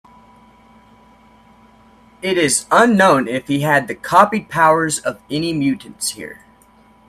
It is unknown if he had the copied powers of any mutants here.